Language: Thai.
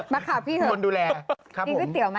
มาข่าวพี่เถอะ